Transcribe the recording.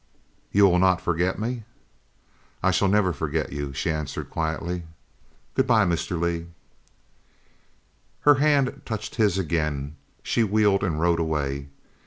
"You will not forget me?" "I shall never forget you," she answered quietly. "Good bye, Mr. Lee!" Her hand touched his again, she wheeled, and rode away.